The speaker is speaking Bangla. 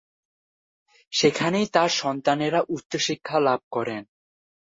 সেখানেই তার সন্তানেরা উচ্চ শিক্ষালাভ করেন।